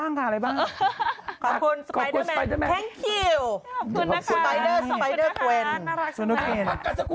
คุณทำได้ทุกอย่างดีโรค